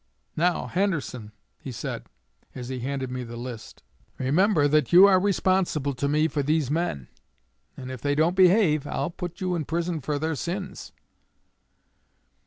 _ Now, Henderson,' he said, as he handed me the list, 'remember that you are responsible to me for these men, and if they don't behave '_I'll put you in prison for their sins.